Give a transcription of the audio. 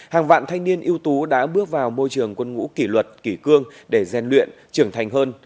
hàng vạn thanh niên ưu tú đã bước vào môi trường quân ngũ kỷ luật kỷ cương để gian luyện trưởng thành hơn